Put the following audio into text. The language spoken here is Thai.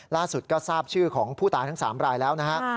ล่าสุดก็ทราบชื่อของผู้ตายทั้ง๓รายแล้วนะฮะ